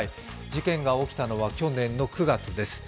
事件が起きたのは去年の９月です。